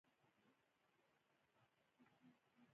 ما د دې کتاب بدیل په نورو ژبو کې نه دی موندلی.